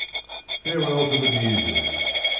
FAREWELL TO THE MUSES.